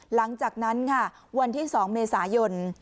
หลังจากนั้นค่ะวันที่๒เมษายน